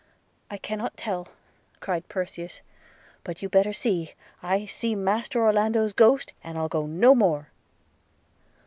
'I cannot tell,' cried Perseus – 'but you better see – I see master Orlando's ghost, and I'll go no more.'